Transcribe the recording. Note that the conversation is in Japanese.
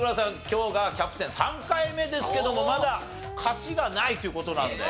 今日がキャプテン３回目ですけどもまだ勝ちがないという事なんで。